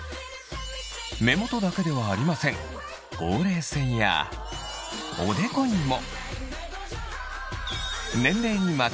目元だけではありませんほうれい線やおでこにも！